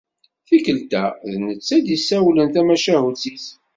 Tikkelt-a, d netta i d-issawlen tamacahut-is.